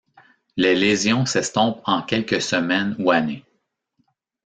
Les lésions s'estompent en quelques semaines ou années.